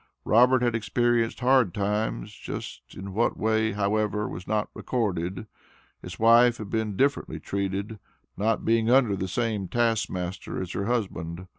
Robert had experienced "hard times" just in what way, however, was not recorded; his wife had been differently treated, not being under the same taskmaster as her husband.